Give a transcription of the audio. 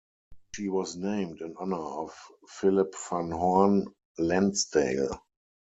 She was named in honor of Philip Van Horne Lansdale.